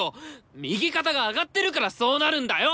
右肩が上がってるからそうなるんだよ！